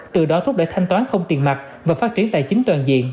từ đó thúc đẩy thanh toán không tiền mặt và phát triển tài chính toàn diện